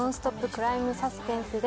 ・クライム・サスペンスです。